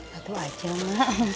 satu aja mak